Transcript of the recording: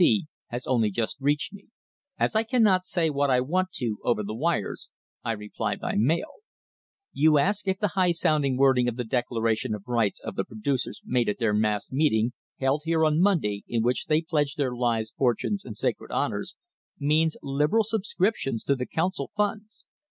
C. has only just reached me. As I cannot say what I want to over the wires I reply by mail. THE COMPROMISE OF 1880 You ask if the high sounding wording of the declaration of rights of the producers made at their mass meeting, held here on Monday, in which they pledged their lives, fortunes and sacred honours, means liberal subscriptions to the Council funds.